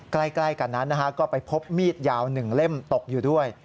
ใกล้กันนั้นก็ไปพบมีดยาว๑เล่มตกอยู่ด้วย